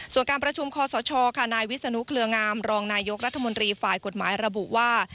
ส่วนการประชุมคคชก็วิสนุคเกลืองามรองนายกรรธมนตรีฝ่ายอุทธิ์กฏหมายระบุว่า